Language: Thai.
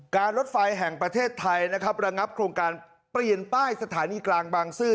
รถไฟแห่งประเทศไทยนะครับระงับโครงการเปลี่ยนป้ายสถานีกลางบางซื่อ